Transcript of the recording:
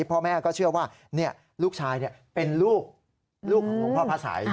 พ่อแม่ก็เชื่อว่าลูกชายเป็นลูกของหลวงพ่อพระสัย